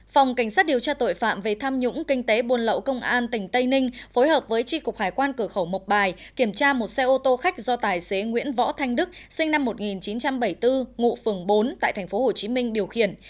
phòng cảnh sát điều tra tội phạm về tham nhũng kinh tế buôn lậu công an tỉnh tây ninh phối hợp với tri cục hải quan cửa khẩu mộc bài kiểm tra một xe ô tô khách do tài xế nguyễn võ thanh đức sinh năm một nghìn chín trăm bảy mươi bốn ngụ phường bốn tại tp hcm điều khiển